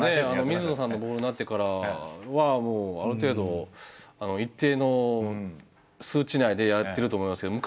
ミズノさんのボールになってからはもうある程度一定の数値内でやってると思いますけど。